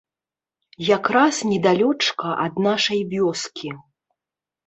Якраз недалёчка ад нашай вёскі.